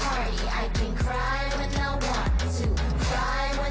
はい。